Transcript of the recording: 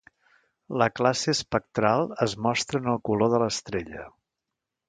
La classe espectral es mostra en el color de l'estrella.